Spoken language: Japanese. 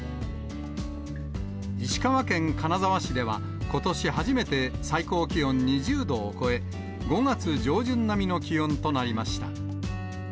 石川県金沢市では、ことし初めて最高気温２０度を超え、５月上旬並みの気温となりました。